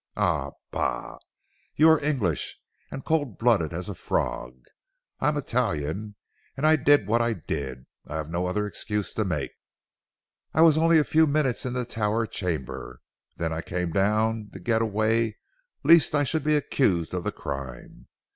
Ah bah! you are English, and cold blooded as a frog. I am Italian, and I did what I did. I have no other excuse to make. "I was only a few minutes in the tower chamber. Then I came down to get away lest I should be accused of the crime.